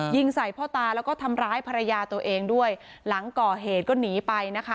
ยิงใส่พ่อตาแล้วก็ทำร้ายภรรยาตัวเองด้วยหลังก่อเหตุก็หนีไปนะคะ